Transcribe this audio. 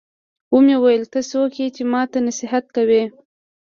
ومې ويل ته څوک يې چې ما ته نصيحت کوې.